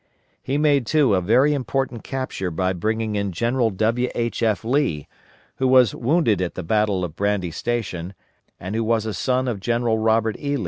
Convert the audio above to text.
He made, too, a very important capture by bringing in General W. H. F. Lee, who was wounded at the battle of Brandy Station, and who was a son of General Robert E.